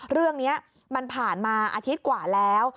เรื่องนี้มันผ่านมาอาทิตย์กว่าแล้ว